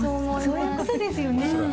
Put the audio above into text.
そういうことですよね。